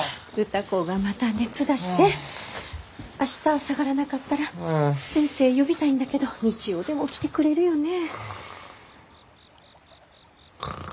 明日下がらなかったら先生呼びたいんだけど日曜でも来てくれるよね。